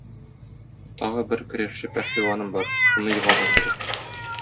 Тагы бер көрәшче пәһлеваным бар, шуны егарга кирәк.